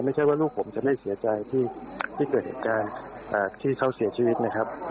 ไม่ใช่ว่าลูกผมจะไม่เสียใจที่เกิดเหตุการณ์ที่เขาเสียชีวิตนะครับ